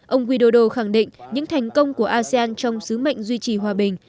ông widodo khẳng định những thành công của asean trong sứ mệnh duy trì hòa bình